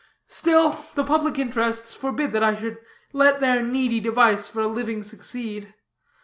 Still, the public interests forbid that I should let their needy device for a living succeed.